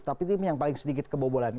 tapi tim yang paling sedikit kebobolan